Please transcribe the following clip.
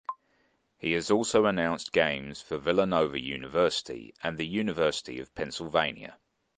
He has also announced games for Villanova University and the University of Pennsylvania.